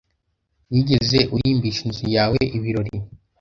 Wigeze urimbisha inzu yawe ibirori?